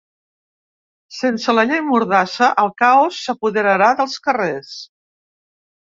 Sense la llei mordassa, el caos s’apoderarà dels carrers.